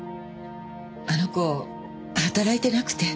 あの子働いてなくて。